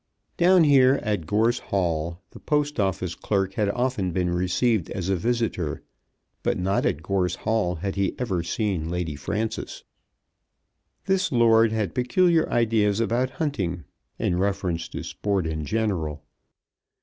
Down here, at Gorse Hall, the Post Office clerk had often been received as a visitor, but not at Gorse Hall had he ever seen Lady Frances. This lord had peculiar ideas about hunting, in reference to sport in general.